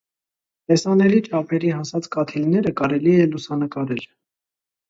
Տեսանելի չափերի հասած կաթիլները կարելի է լուսանկարել։